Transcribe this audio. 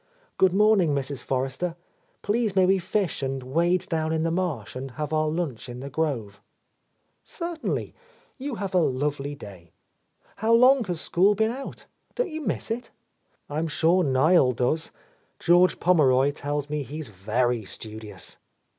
"Good morning, Mrs. Forrester. Please may we fish and wade down in the marsh and have our lunch in the grove ?" "Certainly. You have a lovely day. How long has school been out? Don't you miss it? I'm sure Niel does. Judge Pommeroy tells me he's very studious."